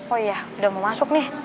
oh iya udah mau masuk nih